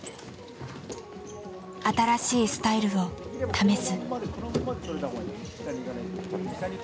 新しいスタイルを試す。